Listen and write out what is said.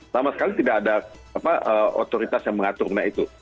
sama sekali tidak ada otoritas yang mengatur mengenai itu